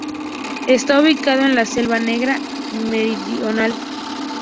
Está ubicado en la Selva Negra Meridional.